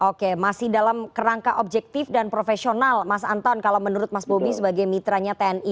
oke masih dalam kerangka objektif dan profesional mas anton kalau menurut mas bobi sebagai mitranya tni